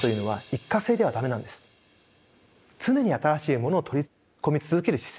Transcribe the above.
常に新しいものを取り込み続ける姿勢。